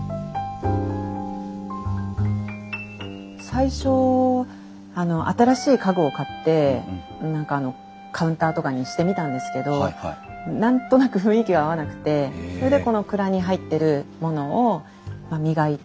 最初新しい家具を買って何かあのカウンターとかにしてみたんですけど何となく雰囲気が合わなくてそれでこの蔵に入ってるものを磨いて。